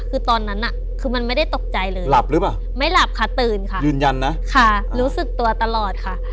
คือตอนนั้นน่ะคือมันไม่ได้ตกใจเลยหลับหรือเปล่าไม่หลับค่ะตื่นค่ะยืนยันนะค่ะรู้สึกตัวตลอดค่ะ